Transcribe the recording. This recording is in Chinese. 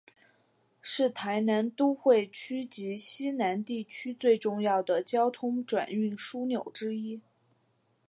是台南都会区及溪南地区最重要的交通转运枢纽之一。